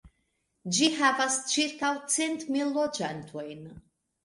Ĝi havas ĉirkaŭ cent mil loĝantojn.